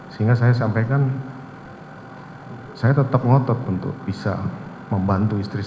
sehingga saya sampaikan saya tetap ngotot untuk bisa membantu istri saya